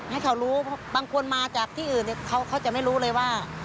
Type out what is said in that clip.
ให้เขารู้บางคนมาจากที่อื่นเขาจะไม่รู้เลยว่า